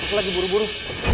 aku lagi buru buru